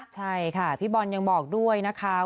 ใช่ค่ะพี่บอลยังบอกด้วยนะคะ